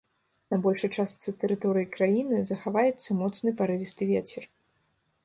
На большай частцы тэрыторыі краіны захаваецца моцны парывісты вецер.